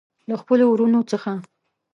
له خپلو وروڼو څخه.